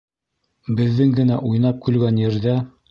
Беҙҙең генә уйнап-көлгән ерҙә